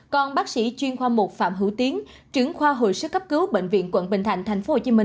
còn bác sĩ chuyên khoa một phạm hữu tiến trưởng khoa hội sức cấp cứu bệnh viện quận bình thạnh tp hcm